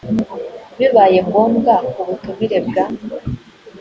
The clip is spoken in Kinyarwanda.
bibaye ngombwa ku butumire bwa